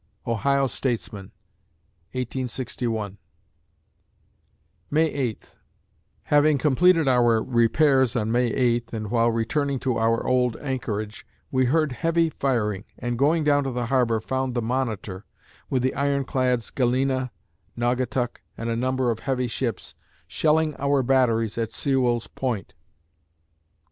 Ohio Statesman, 1861 May Eighth Having completed our repairs on May 8th, and while returning to our old anchorage, we heard heavy firing, and, going down the harbor, found the Monitor, with the iron clads Galena, Naugatuck, and a number of heavy ships, shelling our batteries at Sewell's Point.